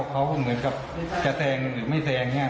เขาก็เหมือนกับจะแทงหรือไม่แทงเนี่ย